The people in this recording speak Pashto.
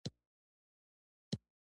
رشوت او فساد په ټولنه کې له منځه ځي.